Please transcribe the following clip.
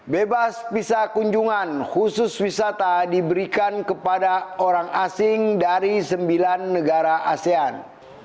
bebas visa kunjungan khusus wisata diberikan kepada orang asing dari sembilan negara asean